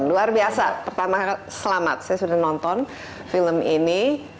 luar biasa pertama selamat saya sudah nonton film ini